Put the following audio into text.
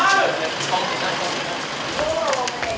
สวัสดีค่ะ